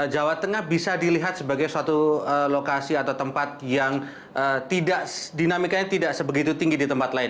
jawa tengah bisa dilihat sebagai suatu lokasi atau tempat yang tidak dinamikanya tidak sebegitu tinggi di tempat lain